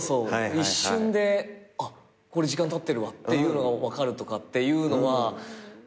一瞬であっこれ時間たってるわっていうのが分かるとかっていうのはそれは確かに技術。